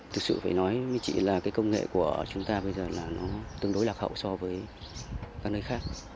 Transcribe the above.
thực sự phải nói với chị là cái công nghệ của chúng ta bây giờ là nó tương đối lạc hậu so với các nơi khác